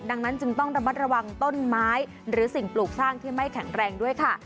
ดังนั้นจึงต้องระมัดระวังต้นไม้หรือสิ่งปลูกสร้างที่ไม่แข็งแรงด้วยค่ะ